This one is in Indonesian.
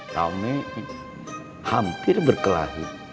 kami hampir berkelahi